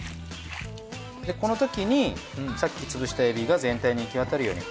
でこのときにさっき潰したエビが全体にいきわたるように。